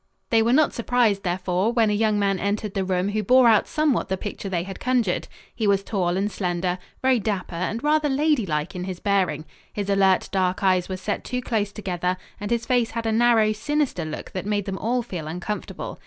They were not surprised, therefore, when a young man entered the room who bore out somewhat the picture they had conjured. He was tall and slender, very dapper and rather ladylike in his bearing. His alert, dark eyes were set too close together, and his face had a narrow, sinister look that made them all feel uncomfortable.